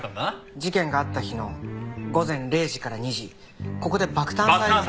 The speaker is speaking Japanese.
事件があった日の午前０時から２時ここで爆誕祭。